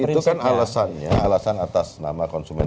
itu kan alasannya alasan atas nama konsumen